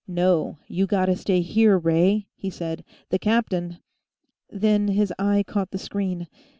"No. You gotta stay here, Ray," he said. "The captain " Then his eye caught the screen.